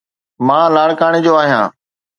مان لاڙڪاڻي جو آھيان.